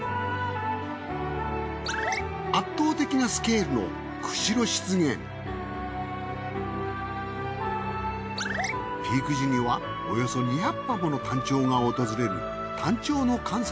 圧倒的なスケールの釧路湿原ピーク時にはおよそ２００羽ものタンチョウが訪れるタンチョウの観察